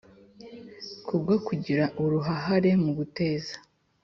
Ku bwo kugira uruhahare mu guteza